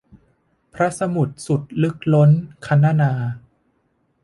พระสมุทรสุดลึกล้น คณนา